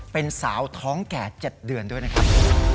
เป็นสาวท้องแก่๗เดือนด้วยนะครับ